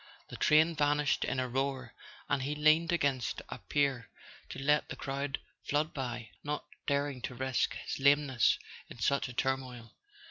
The train vanished in a roar, and he leaned against a pier to let the crowd flood by, not daring to risk his lame¬ ness in such a turmoil.